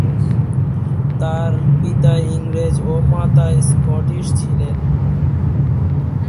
তার পিতা ইংরেজ ও মাতা স্কটিশ ছিলেন।